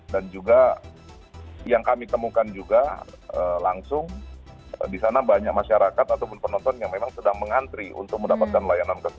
dan juga yang kami temukan juga langsung di sana banyak masyarakat ataupun penonton yang memang sedang mengantri untuk mendapatkan layanan kesehatan